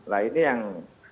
nah ini yang